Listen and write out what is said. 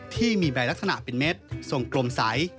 ที่มีใบลักษณะเป็นเม็ดทรงกลมใส